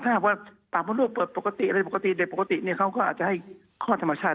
ถ้าหากว่าปากมดลูกเปิดปกติอะไรปกติเด็กปกติเนี่ยเขาก็อาจจะให้คลอดธรรมชาติ